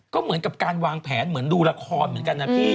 ก็เหมือนกับการวางแผนเหมือนดูละครเหมือนกันนะพี่